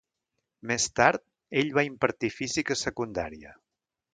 Més tard, ell va impartir física a secundària.